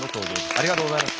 ありがとうございます